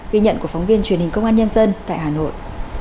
ghi nhận của phóng viên truyền hình công an nhân dân tại hà nội